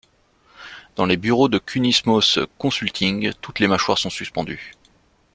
Dans les bureaux de Kunismos Consulting, toutes les mâchoires sont suspendues.